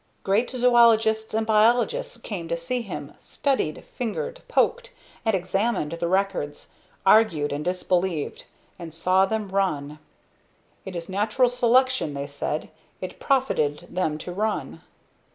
Great zoologists and biologists came to see him, studied, fingered, poked, and examined the records; argued and disbelieved and saw them run. "It is natural selection," they said. "It profited them to run."